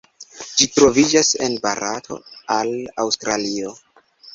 Ĝi troviĝas el Barato al Aŭstralio.